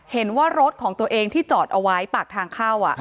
เห็นว่ารถของตัวเองที่จอดเอาไว้ปากทางเข้า